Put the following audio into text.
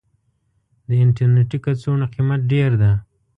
د انټرنيټي کڅوړو قيمت ډير ده.